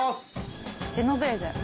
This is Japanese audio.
ジェノベーゼ。